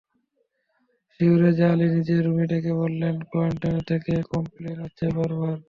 CO Reza Ali নিজের রুমে ডেকে বললেন, ক্লায়েন্টদের থেকে কমপ্লেইন আসছে বারবার।